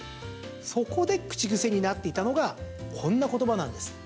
そこで口癖になっていたのがこんな言葉なんです。